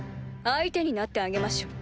相手になってあげましょう。